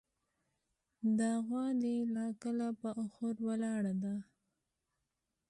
دا غوا دې له کله پر اخور ولاړه ده.